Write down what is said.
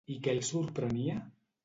I què el sorprenia?